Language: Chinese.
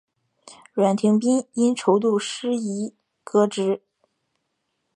阮廷宾因筹度失宜革职。